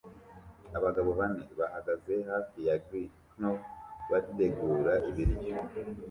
Abagabo bane bahagaze hafi ya grill nto bategura ibiryo